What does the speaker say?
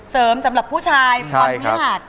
เสริมสำหรับผู้ชายความรู้หัส